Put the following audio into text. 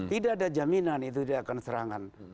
tidak ada jaminan itu dia akan serangan